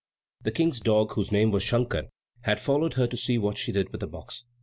The King's dog, whose name was Shankar, had followed her to see what she did with the box.